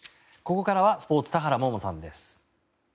ここからはスポーツ田原萌々さんです。